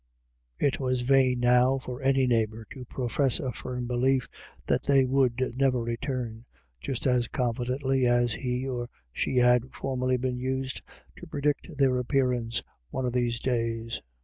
It was vain now for any neighbour to profess a firm belief that they would never return, just as confidently as he or she had formerly been used to predict their appearance one of these days.